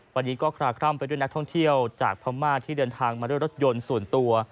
วันนี้ก็คลาคร่ำไปด้วยนักท่องเที่ยวจากพม่าที่เดินทางมาด้วยรถยนต์ส่วนตัว